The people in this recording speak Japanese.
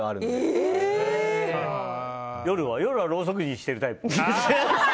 夜はろうそくにしてるタイプ？